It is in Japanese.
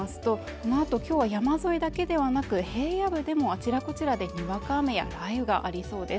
このあときょうは山沿いだけではなく平野部でもあちらこちらでにわか雨や雷雨がありそうです